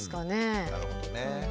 なるほどね。